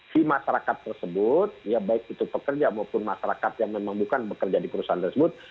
si masyarakat tersebut ya baik itu pekerja maupun masyarakat yang memang bukan bekerja di perusahaan tersebut